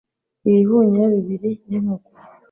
ibihunyira bibiri n'inkoko